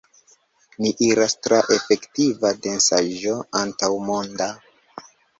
Ni iras tra efektiva densaĵo antaŭmonda!